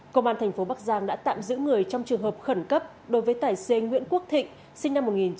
công an thành phố bắc giang đã tạm giữ người trong trường hợp khẩn cấp đối với tài xế nguyễn quốc thịnh sinh năm một nghìn chín trăm tám mươi